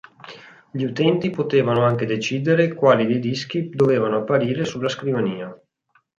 Gli utenti potevano anche decidere quali dei dischi dovevano apparire sulla scrivania.